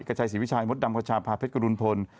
กระชายสีวิชายมดดำกะชาพราเพศกรุณพล